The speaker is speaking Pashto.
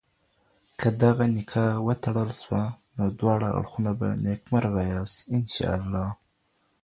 که دغه نکاح وتړل سوه، نو دواړه اړخونه به نيکمرغه ياست ان شاء الله.